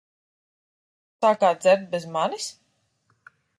Sākāt dzert bez manis?